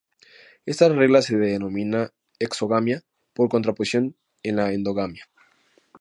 Esta regla se denomina exogamia, por contraposición a la endogamia.